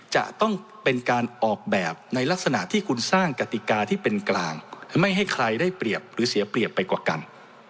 จะต้องเป็นการออกแบบในลักษณะที่คุณสร้างกติกาที่เป็นกลางไม่ให้ใครได้เปรียบหรือเสียเปรียบไปกว่ากัน